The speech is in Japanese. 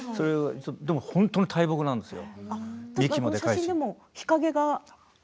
でも本当に大木なんですよ。